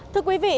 thưa quý vị